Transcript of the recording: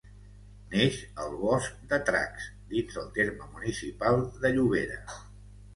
Neix al Bosc de Tracs dins el terme municipal de Llobera.